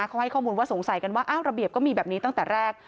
เขาให้ข้อมูลว่าสงสัยกันว่าอ้าวระเบียบก็มีแบบนี้ตั้งแต่แรก